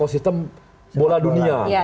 sistem bola dunia